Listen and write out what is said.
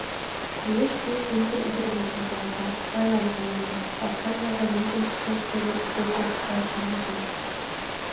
Вуеш шушо ӱдыр ӱдырвучым пуалта — марлан кайынеже, ласка-ныжыл йӱкын шкеж деке качым ӱжеш.